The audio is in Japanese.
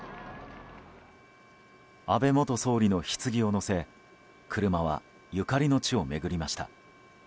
安倍元総理のひつぎを乗せ車はゆかりの地を巡りました。